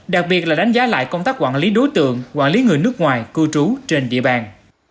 đặc biệt là đánh giá lại công tác quản lý đối tượng quản lý người nước ngoài cư trú trên địa bàn